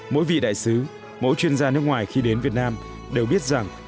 mỗi vị đại sứ mỗi chuyên gia nước ngoài khi đến việt nam đều biết rằng